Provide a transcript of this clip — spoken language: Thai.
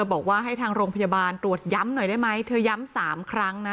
บอกว่าให้ทางโรงพยาบาลตรวจย้ำหน่อยได้ไหมเธอย้ำ๓ครั้งนะ